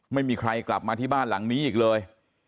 ไม่มีใครกลับมาที่บ้านหลังนี้อีกเลย